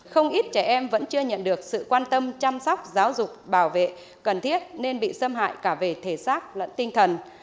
không ít trẻ em vẫn chưa nhận được sự quan tâm chăm sóc giáo dục bảo vệ cần thiết nên bị xâm hại cả về thể xác lẫn tinh thần